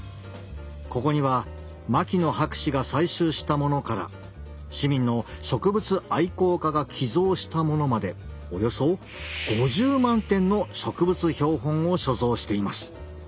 ここには牧野博士が採集したものから市民の植物愛好家が寄贈したものまでおよそ５０万点の植物標本を所蔵しています。